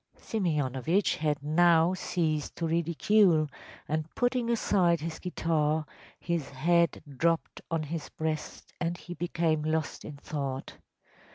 ‚ÄĚ Simeonovitch had now ceased to ridicule, and, putting aside his guitar, his head dropped on his breast and he became lost in thought.